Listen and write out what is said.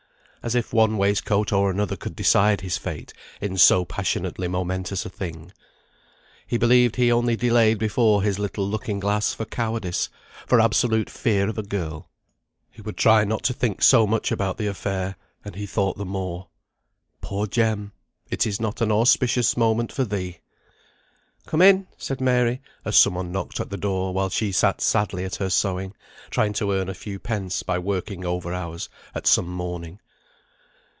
As if one waistcoat or another could decide his fate in so passionately momentous a thing. He believed he only delayed before his little looking glass for cowardice, for absolute fear of a girl. He would try not to think so much about the affair, and he thought the more. Poor Jem! it is not an auspicious moment for thee! "Come in," said Mary, as some one knocked at the door, while she sat sadly at her sewing, trying to earn a few pence by working over hours at some mourning.